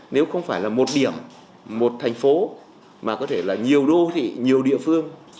nếu không phải là một điểm một thành phố mà có thể là nhiều đô thị nhiều địa phương